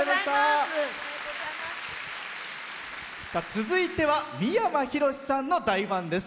続いては三山ひろしさんの大ファンです。